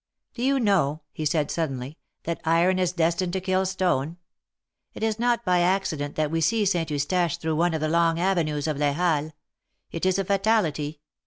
Do you know," he said, suddenly, that iron is destined to kill stone? It is not by accident that we see Saint Eustache through one of the long avenues of Les Halles. It is a fatality.